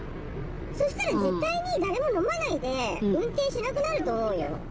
そしたら絶対に、誰も飲まないで、運転しなくなると思うよ。